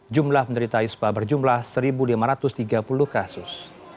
jumlah penderita ispa berjumlah satu lima ratus tiga puluh kasus